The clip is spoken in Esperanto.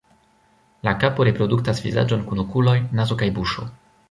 La kapo reproduktas vizaĝon kun okuloj, nazo kaj buŝo.